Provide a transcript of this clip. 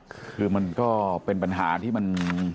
คือมันก็เป็นปัญหาที่มัน